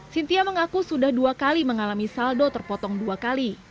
cynthia mengaku sudah dua kali mengalami saldo terpotong dua kali